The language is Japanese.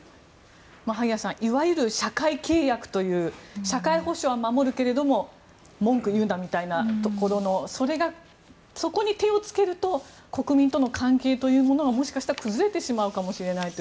萩谷さんいわゆる社会契約という社会保障は守るけれど文句言うなみたいなところのそこに手をつけると国民との関係というものはもしかしたら崩れてしまうかもしれないと。